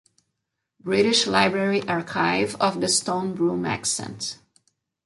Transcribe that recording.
British Library Archive of the Stonebroom accent.